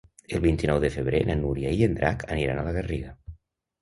El vint-i-nou de febrer na Núria i en Drac aniran a la Garriga.